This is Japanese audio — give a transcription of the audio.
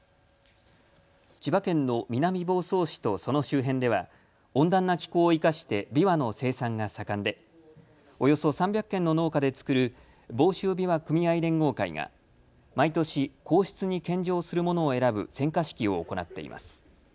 千葉県の南房総市とその周辺では温暖な気候を生かしてびわの生産が盛んでおよそ３００軒の農家で作る房州枇杷組合連合会が毎年皇室に献上するものを選ぶ選果式を行っています。